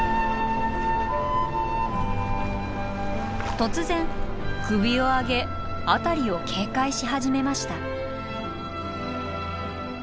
突然首を上げ辺りを警戒し始めました。